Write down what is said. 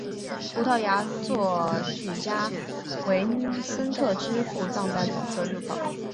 葡萄牙剧作家维森特之父葬在左侧入口。